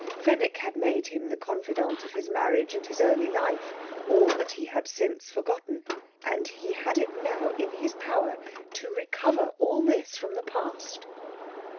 Fenwick had made him the confidant of his marriage and his early life, all that he had since forgotten, and he had it now in his power to recover all this from the past.